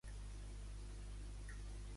De quina mitologia prové el Killmoulis?